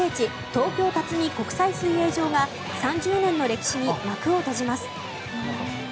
東京辰巳国際水泳場が３０年の歴史に幕を閉じます。